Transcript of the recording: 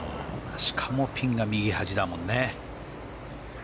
しかも、ピンが右端だもんね。